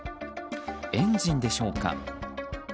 エンジンでしょうか。